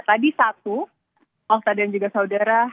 tadi satu ustadz dan juga saudara